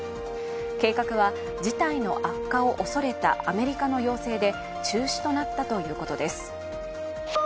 計画は事態の悪化を恐れたアメリカの要請で中止となったということです。